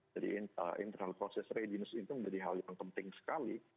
jadi internal process readiness itu menjadi hal yang penting sekali